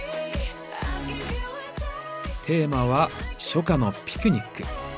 テーマは「初夏のピクニック」。